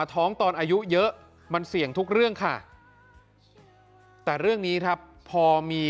ท้องตอนอายุเยอะมันเสี่ยงทุกเรื่องค่ะแต่เรื่องนี้ครับพอมี